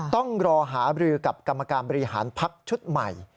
ต้องรอหาบรือกับกรรมการบริหารพักชุดใหม่